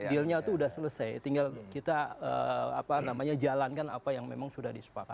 dealnya itu sudah selesai tinggal kita jalankan apa yang memang sudah disepakati